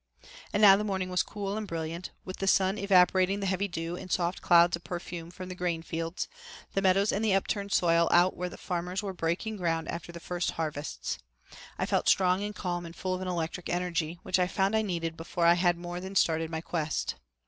And now the morning was cool and brilliant, with the sun evaporating the heavy dew in soft clouds of perfume from the grain fields, the meadows and the upturned soil out where the farmers were breaking ground after the first harvests. I felt strong and calm and full of an electric energy, which I found I needed before I had more than started my quest.